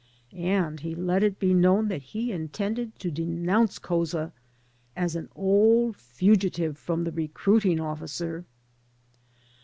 And he let it be known that he intended to denounce Couza as an old fugitive from the recruiting officer.